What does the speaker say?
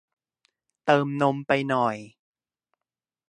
เติมนมไปหน่อย